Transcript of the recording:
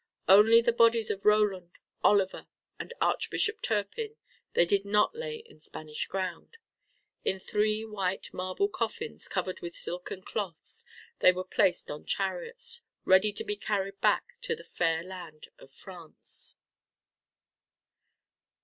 Only the bodies of Roland, Oliver and Archbishop Turpin, they did not lay in Spanish ground. In three white marble coffins covered with silken cloths they were placed on chariots, ready to be carried back to the fair land of France.